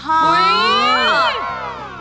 โอ๊ย